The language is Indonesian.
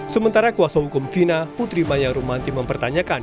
sementara kuasa hukum fina putri maya rumanti mempertanyakan